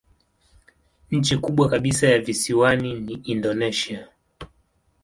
Nchi kubwa kabisa ya visiwani ni Indonesia.